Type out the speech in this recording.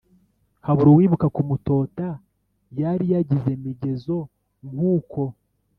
Habura uwibuka kumutota! Yari yagiye migezo nk'ukwo,